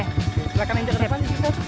silahkan injak ke depan